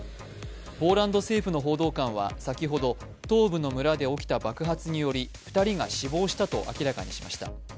ポーランド政府の報道官は先ほど、東部の村で起きた爆発により２人が死亡としたと明らかにしました。